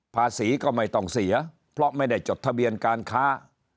ภาษีก็ไม่ต้องเสียเพราะไม่ได้จดทะเบียนการค้า